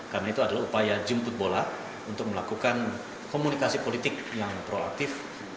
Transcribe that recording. karena itu adalah upaya jemput bola untuk melakukan komunikasi politik yang proaktif